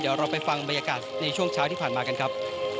เดี๋ยวเราไปฟังบรรยากาศในช่วงเช้าที่ผ่านมากันครับ